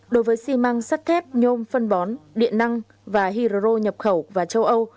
đối với xi măng sắt kép nhôm phân bón điện năng và hiroro nhập khẩu và châu âu